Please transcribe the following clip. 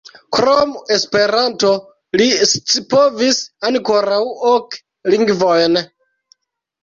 Krom Esperanto li scipovis ankoraŭ ok lingvojn.